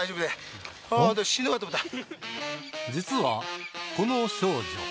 実はこの少女